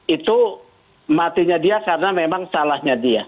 itu matinya dia karena memang salahnya dia